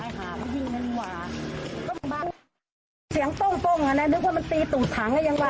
ก็บางวันนี้เสียงต้งอ่ะแย่นึกมันตีตูดถางซะห่อยังได้